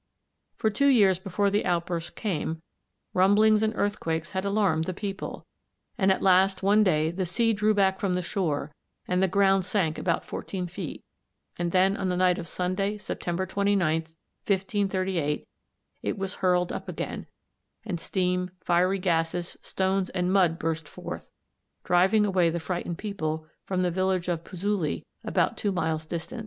For two years before the outburst came, rumblings and earthquakes had alarmed the people, and at last one day the sea drew back from the shore and the ground sank about fourteen feet, and then on the night of Sunday, September 29, 1538, it was hurled up again, and steam, fiery gases, stones, and mud burst forth, driving away the frightened people from the village of Puzzuoli about two miles distant.